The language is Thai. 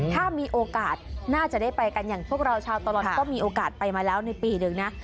ถ้ามีโอกาสน่าจะได้ไปกันอย่างพวกเราชาวตลอดก็มีโอกาสไปมาแล้วในปีหนึ่งนะ